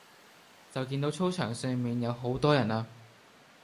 就見到操場上面有好多人呀